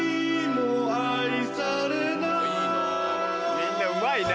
みんなうまいな。